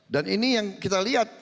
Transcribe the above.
dan ini yang kita lihat